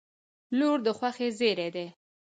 • لور د خوښۍ زېری دی.